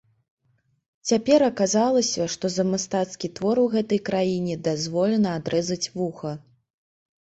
Цяпер аказалася, што за мастацкі твор у гэтай краіне дазволена адрэзаць вуха.